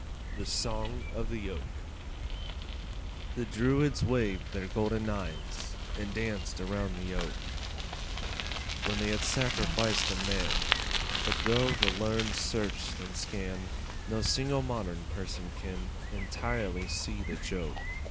The Song of the Oak The Druids waved their golden knives And danced around the Oak When they had sacrificed a man; But though the learned search and scan, No single modern person can Entirely see the joke.